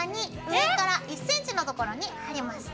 上から１ｃｍの所に貼ります。